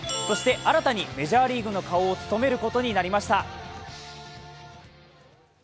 そして、新たにメジャーリーグの顔を務めることになりました。